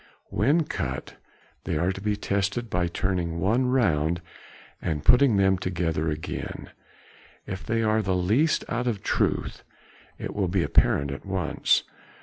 When cut they are to be tested by turning one round and putting them together again; if they are the least out of truth it will be apparent at once.